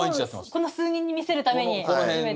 へえこの数人に見せるために集めて。